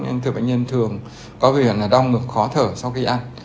nhưng thường bệnh nhân thường có biểu hiện là đong ngược khó thở sau khi ăn